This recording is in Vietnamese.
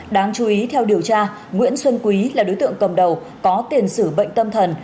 đáng chú ý theo điều tra nguyễn xuân quý là đối tượng cầm đầu có tiền sử bệnh tâm thần